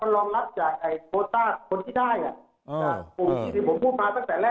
รองรับจากไอ้โคต้าคนที่ได้จากกลุ่มที่ที่ผมพูดมาตั้งแต่แรก